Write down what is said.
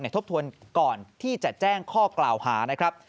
ทบทวนก่อนที่จะแจ้งข้อกล่าวหา